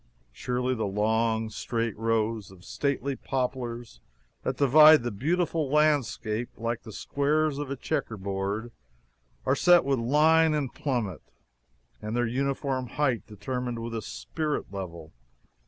Surely the long straight rows of stately poplars that divide the beautiful landscape like the squares of a checker board are set with line and plummet, and their uniform height determined with a spirit level.